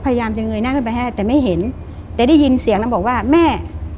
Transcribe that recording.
พยายามจะเงยหน้าขึ้นไปให้ได้แต่ไม่เห็นแต่ได้ยินเสียงแล้วบอกว่าแม่